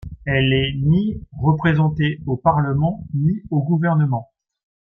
Elle n'est ni représentée au Parlement ni au Gouvernement.